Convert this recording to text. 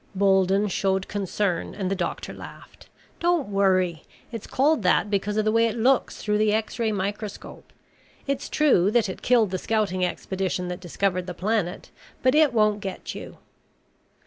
Bolden showed concern and the doctor laughed. "Don't worry. It's called that because of the way it looks through the X ray microscope. It's true that it killed the scouting expedition that discovered the planet, but it won't get you."